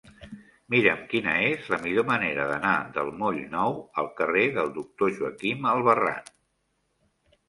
Mira'm quina és la millor manera d'anar del moll Nou al carrer del Doctor Joaquín Albarrán.